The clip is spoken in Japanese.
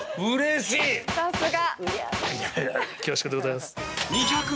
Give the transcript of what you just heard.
さすが。